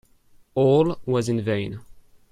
All was in vain.